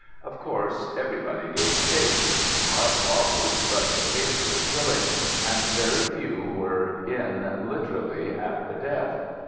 Of course everybody gave chase. I followed; but the pace was killing, and very few were in, literally, at the death.